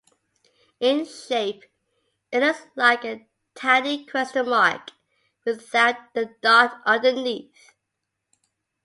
In shape it looks like a tiny question mark without the dot underneath.